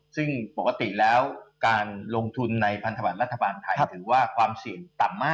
ซึ่งปกติแล้วการลงทุนในพันธบัตรรัฐบาลไทยถือว่าความเสี่ยงต่ำมาก